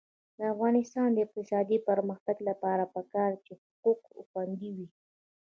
د افغانستان د اقتصادي پرمختګ لپاره پکار ده چې حقوق خوندي وي.